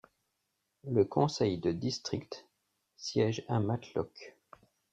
Le conseil de district siège à Matlock.